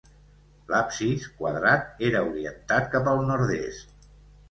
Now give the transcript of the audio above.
L'absis, quadrat, era orientat cap al nord-est.